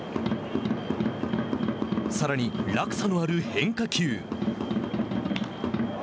さらに、落差のある変化球。